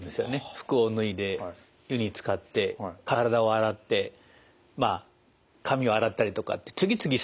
服を脱いで湯につかって体を洗って髪を洗ったりとかって次々作業しないといけないんですね。